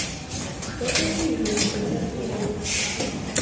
Хто такі гэты пацярпелы?